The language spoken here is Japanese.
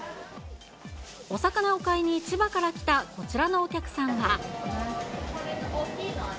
お魚を買いに千葉から来たこちらのお客さんは。